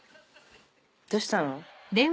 どうしたの？